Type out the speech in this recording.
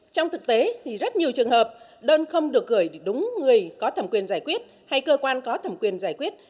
trong thực tế thì rất nhiều trường hợp đơn không được gửi để đúng người có thẩm quyền giải quyết hay cơ quan có thẩm quyền giải quyết